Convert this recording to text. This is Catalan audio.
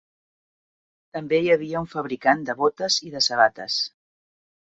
També hi havia un fabricant de botes i de sabates.